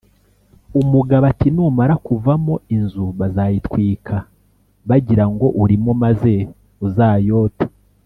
umugabo ati; numara kuvamo inzu bazayitwika bagira ngo urimo maze uzayote,